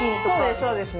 そうですね。